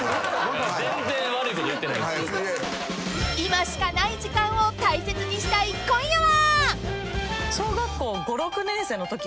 ［今しかない時間を大切にしたい今夜は］